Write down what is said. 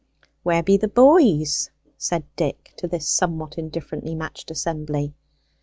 "Where be the boys?" said Dick to this somewhat indifferently matched assembly.